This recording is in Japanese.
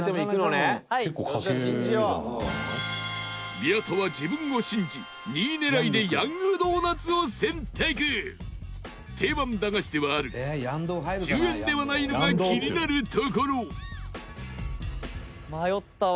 宮田は自分を信じ、２位狙いでヤングドーナツを選択定番駄菓子ではあるが１０円ではないのが気になるところ宮田：迷ったわ。